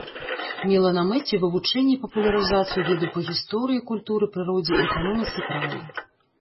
Мела на мэце вывучэнне і папулярызацыю ведаў па гісторыі, культуры, прыродзе і эканоміцы краю.